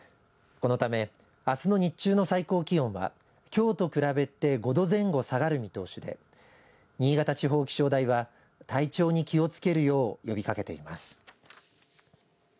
このためあすの日中の最高気温はきょうと比べて５度前後下がる見通しで新潟地方気象台は体調に気をつけるよう呼びかけています。